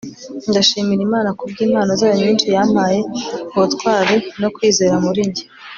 ndashimira imana ku bw'impano zayo nyinshi yampaye ubutwari no kwizera muri njye